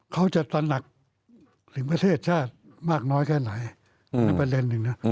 เขาจะตระหนักถึงประเทศชาติมากน้อยแค่ไหนนั่นประเด็นหนึ่งนะ